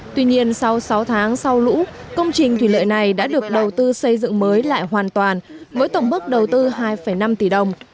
tuy nhiên sau sáu tháng sau lũ công trình thủy lợi này đã được đầu tư xây dựng mới lại hoàn toàn với tổng bức đầu tư hai năm tỷ đồng